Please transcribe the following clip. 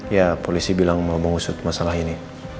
ya polisi bilang mau mengusut masalah ini